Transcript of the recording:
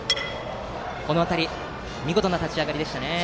この辺り見事な立ち上がりでした。